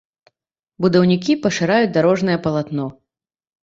Будаўнікі пашыраюць дарожнае палатно.